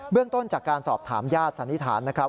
เรื่องต้นจากการสอบถามญาติสันนิษฐานนะครับ